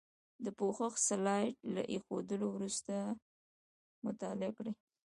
د پوښښ سلایډ له ایښودلو وروسته یې مطالعه کړئ.